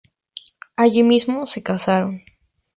Allí mismo se casaron.